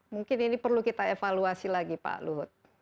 mungkin ini perlu kita evaluasi lagi pak luhut